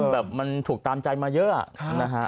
แบบมันถูกตามใจมาเยอะนะฮะ